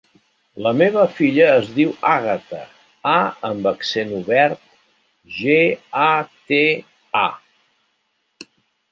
La meva filla es diu Àgata: a amb accent obert, ge, a, te, a.